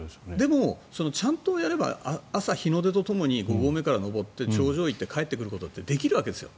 でも、ちゃんとやれば朝、日の出とともに５合目から登って頂上に行って帰ってくることってできるわけですよ。